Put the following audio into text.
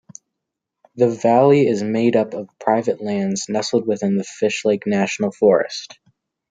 The valley is made up of private lands nestled within the Fishlake National Forest.